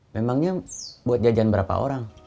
memangnya buat jajan berapa orang